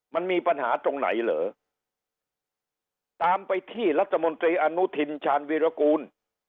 มันมีปัญหาตรงไหนเหรอตามไปที่รัฐมนตรีอนุทินชาญวีรกูล